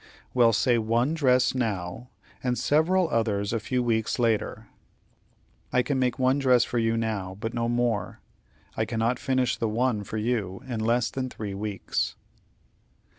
"Well, say one dress now, and several others a few weeks later." "I can make one dress for you now, but no more. I cannot finish the one for you in less than three weeks."